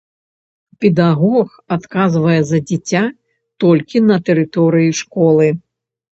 Педагог адказвае за дзіця толькі на тэрыторыі школы.